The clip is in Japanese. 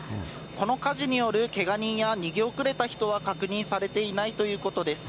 この火事によるけが人や逃げ遅れた人は確認されていないということです。